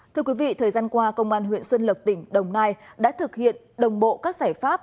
thưa quý vị thời gian qua công an huyện xuân lộc tỉnh đồng nai đã thực hiện đồng bộ các giải pháp